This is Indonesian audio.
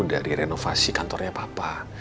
dari renovasi kantornya papa